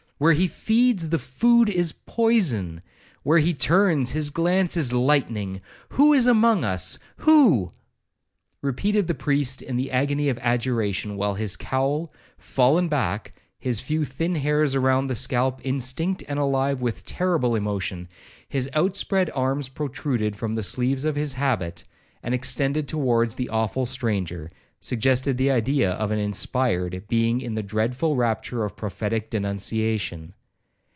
—Where he feeds, the food is poison!—Where he turns, his glance is lightning!—Who is among us?—Who?' repeated the priest in the agony of adjuration, while his cowl fallen back, his few thin hairs around the scalp instinct and alive with terrible emotion, his outspread arms protruded from the sleeves of his habit, and extended towards the awful stranger, suggested the idea of an inspired being in the dreadful rapture of prophetic denunciation.